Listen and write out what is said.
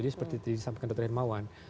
seperti disampaikan dr hermawan